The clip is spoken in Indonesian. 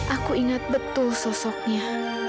aku ingat betul sosoknya